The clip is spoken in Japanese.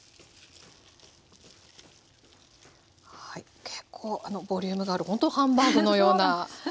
はい結構ボリュームがあるほんとハンバーグのような。